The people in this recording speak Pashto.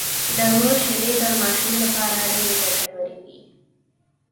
د مور شېدې د ماشوم لپاره ډېرې ګټورې وي